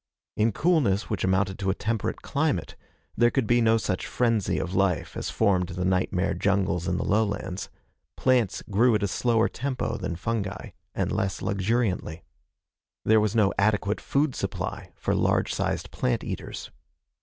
In coolness which amounted to a temperate climate there could be no such frenzy of life as formed the nightmare jungles in the lowlands. Plants grew at a slower tempo than fungi, and less luxuriantly. There was no adequate food supply for large sized plant eaters.